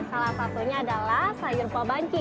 salah satunya adalah sayur pobanci